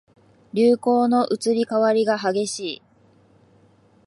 流行の移り変わりが激しい